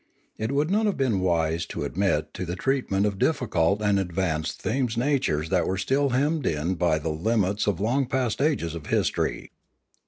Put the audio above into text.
It would not have been wise to admit to the treatment of difficult and ad vanced themes natures that were still hemmed in by the limits of long past ages of history.